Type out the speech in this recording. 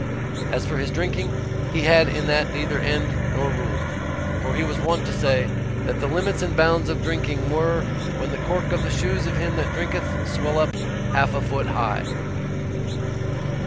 As for his drinking, he had in that neither end nor rule. For he was wont to say, That the limits and bounds of drinking were, when the cork of the shoes of him that drinketh swelleth up half a foot high.